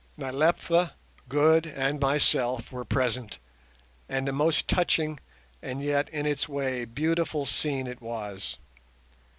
Nyleptha, Good and myself were present, and a most touching and yet in its way beautiful scene it was.